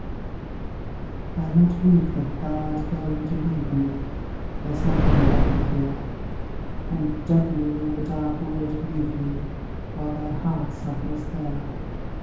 I'll not weep that thou art going to leave me, There's nothing lovely here; And doubly will the dark world grieve me, While thy heart suffers there.